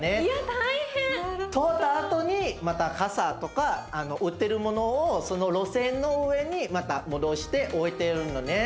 通ったあとにまた傘とか売ってるものをその路線の上にまた戻して置いてるのね。